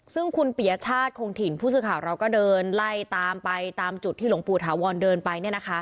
ซึ่งคุณปียชาติคงถิ่นผู้สื่อข่าวเราก็เดินไล่ตามไปตามจุดที่หลวงปู่ถาวรเดินไป